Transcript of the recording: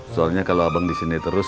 soalnya kalau abang disini terus